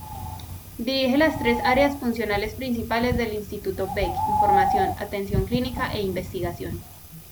Dirige las tres áreas funcionales principales del Instituto Beck: formación, atención clínica e investigación.